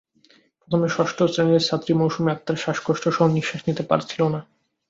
প্রথমে ষষ্ঠ শ্রেণির ছাত্রী মৌসুমি আক্তার শ্বাসকষ্টসহ নিশ্বাস নিতে পারছিল না।